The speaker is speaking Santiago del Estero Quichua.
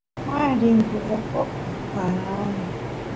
waas rinku oqoquy paran